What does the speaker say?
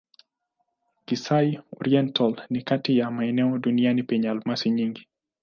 Kasai-Oriental ni kati ya maeneo duniani penye almasi nyingi.